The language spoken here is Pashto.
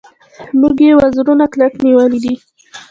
موږ یې وزرونه کلک نیولي دي.